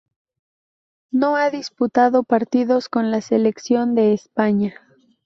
No ha disputado partidos con la selección de España.